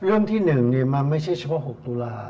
เรื่องที่หนึ่งมันไม่ใช่เฉพาะหกตุลา